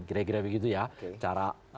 kira kira begitu ya cara